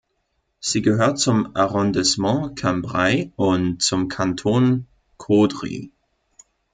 Sie gehört zum Arrondissement Cambrai und zum Kanton Caudry.